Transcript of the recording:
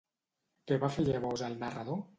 Què va fer llavors el narrador?